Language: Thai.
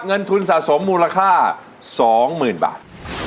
เงินทุนสะสมมูลค่า๒๐๐๐บาท